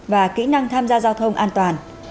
và kỹ năng tham gia giao thông an toàn